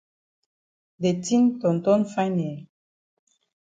De tin ton ton fine eh.